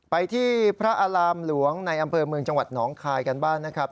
ไปที่พระอารามหลวงในอำเภอเมืองจังหวัดหนองคายกันบ้างนะครับ